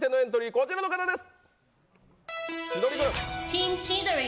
こちらの方です。